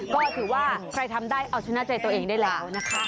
ก็ถือว่าใครทำได้เอาชนะใจตัวเองได้แล้วนะคะ